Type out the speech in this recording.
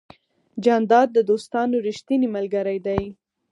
جانداد د دوستانو ریښتینی ملګری دی.